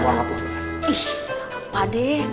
wah pak deh